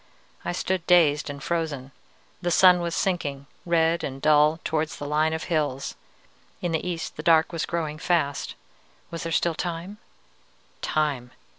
"I stood dazed and frozen. The sun was sinking, red and dull, towards the line of hills. In the east the dark was growing fast. Was there still time? _Time!